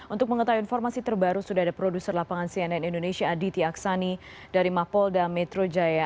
untuk mengetahui informasi terbaru sudah ada produser lapangan cnn indonesia aditya aksani dari mapolda metro jaya